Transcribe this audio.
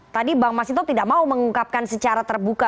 tadi bang mas hinto tidak mau mengungkapkan secara terbuka